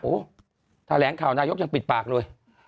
โอ้โหแถลงข่าวนายกยังปิดปากเลย